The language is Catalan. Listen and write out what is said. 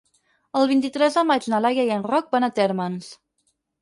El vint-i-tres de maig na Laia i en Roc van a Térmens.